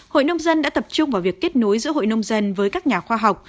hội nông dân đã tập trung vào việc kết nối giữa hội nông dân với các nhà khoa học